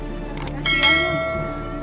yaudah sus terima kasih ya